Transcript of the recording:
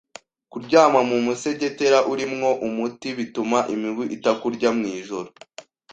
Kuryama mu musegetera urimwo umuti bituma imibu itakurya mw'ijoro